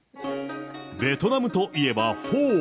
ベトナムといえばフォー。